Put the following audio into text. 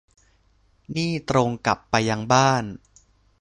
นี่ตรงกลับไปยังบ้าน